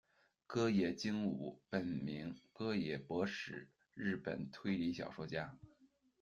歌野晶午，本名歌野博史，日本推理小说家。